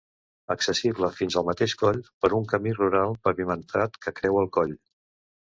Accessible fins al mateix coll, per un camí rural pavimentat que creua el coll.